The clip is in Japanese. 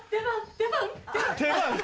「出番」！